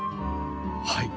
はい。